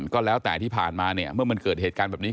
ก็แล้วแต่ที่ผ่านมาเนี่ยเมื่อมันเกิดเหตุการณ์แบบนี้